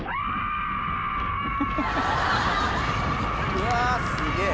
うわすげぇ。